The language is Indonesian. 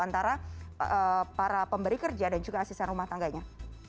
antara para pemberi kerja dan juga asisten rumah tangganya